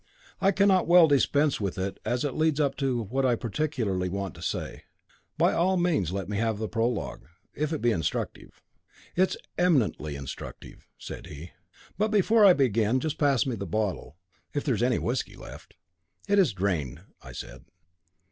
"I cannot well dispense with it as it leads up to what I particularly want to say." "By all means let me have the prologue, if it be instructive." "It is eminently instructive," he said. "But before I begin, just pass me the bottle, if there is any whisky left." "It is drained," I said.